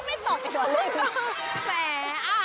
ยังไม่ตก